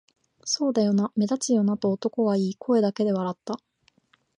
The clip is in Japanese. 「そうだよな、目立つよな」と男は言い、声だけで笑った